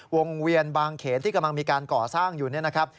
เวียนบางเขนที่กำลังมีการก่อสร้างอยู่เนี่ยนะครับ